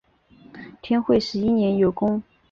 天会十一年有功。